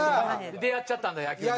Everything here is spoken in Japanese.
出会っちゃったんだ野球に。